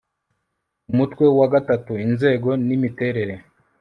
umutwe wa iii inzego n imiterere